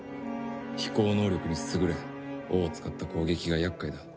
飛行能力に優れ尾を使った攻撃が厄介だ。